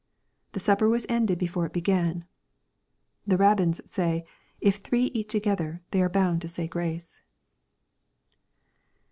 The supper was ended before it be gan."— " The Rabbins say, if three eat together, they are bound to say grace."